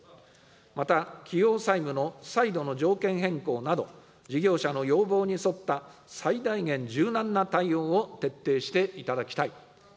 また、既往債務の再度の条件変更など、事業者の要望に沿った、最大限柔軟な対応を徹底していただきたい。